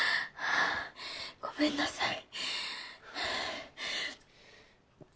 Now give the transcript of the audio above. あっごめんなさい。